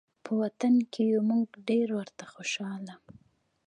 په وطن کې یو موږ ډېر ورته خوشحاله